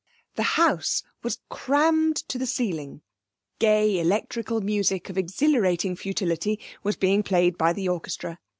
The house was crammed to the ceiling. Gay, electrical music of exhilarating futility was being played by the orchestra.